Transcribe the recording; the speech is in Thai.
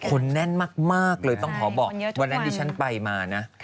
คนแน่นมากเลยต้องขอบอกวันนั้นที่ฉันไปมานะ